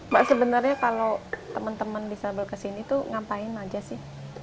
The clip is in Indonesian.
mbak sebenarnya kalau teman teman disabel kesini tuh ngapain aja sih